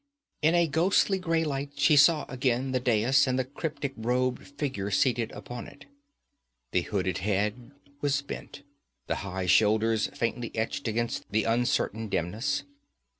In a ghostly gray light she saw again the dais and the cryptic robed figure seated upon it. The hooded head was bent, the high shoulders faintly etched against the uncertain dimness.